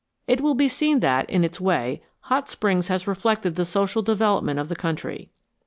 It will be seen that, in its way, Hot Springs has reflected the social development of the country.